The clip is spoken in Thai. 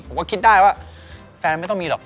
ผมก็คิดได้ว่าแฟนไม่ต้องมีหรอก